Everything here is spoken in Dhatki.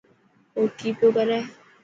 اوڪي پيو ڪري.